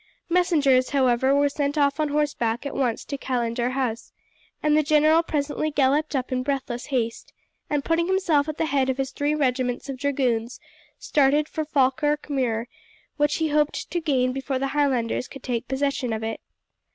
Messengers, however, were sent off on horseback at once to Callendar House, and the general presently galloped up in breathless haste, and putting himself at the head of his three regiments of dragoons, started for Falkirk Muir, which he hoped to gain before the Highlanders could take possession of it.